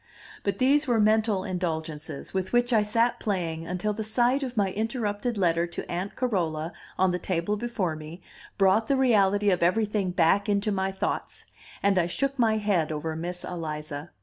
But these were mental indulgences, with which I sat playing until the sight of my interrupted letter to Aunt Carola on the table before me brought the reality of everything back into my thoughts; and I shook my head over Miss Eliza.